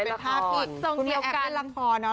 เป็นภาพอีกคุณแม่แอ๊บเล่นละคร